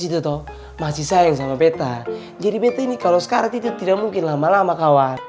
itu tuh masih sayang sama beta jadi bete ini kalau sekarang tidak mungkin lama lama kawan